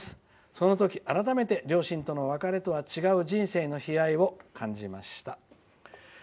その時改めて両親との別れとは違う人生の悲哀を感じました」。